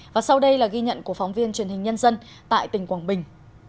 và sau đây là ghi nhận của phóng viên truyền hình nhân dân tại tỉnh quảng bình